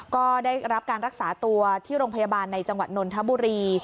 ก็ได้รับการรักษาตัวที่โรงพยาบาลในจังหวัดนนทบุรี